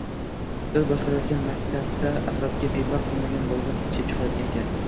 – Siz boshqarayotgan maktabda atrofga befarq bo‘lmagan bolalar yetishib chiqayotgan ekan